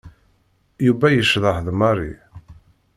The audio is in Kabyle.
Yuba yecḍeḥ d Mary.